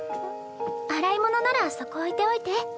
洗い物ならそこ置いておいて。